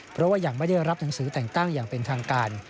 เพราะว่ายังไม่ได้รับหนังสือแต่งตั้งอย่างเป็นทางการ